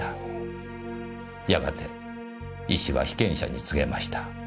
やがて医師は被験者に告げました。